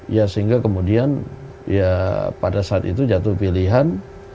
ya sehingga kemudian ya pada saat itu jatuh pilihan